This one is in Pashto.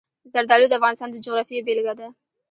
زردالو د افغانستان د جغرافیې بېلګه ده.